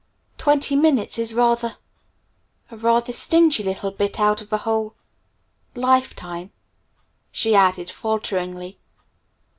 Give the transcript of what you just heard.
Twenty minutes is a rather a rather stingy little bit out of a whole lifetime," she added falteringly.